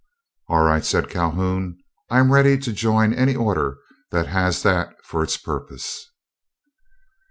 "All right," said Calhoun; "I am ready to join any order that has that for its purpose."